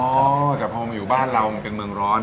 อ๋อแต่พอมาอยู่บ้านเรามันเป็นเมืองร้อน